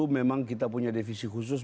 memang kita punya defisi khusus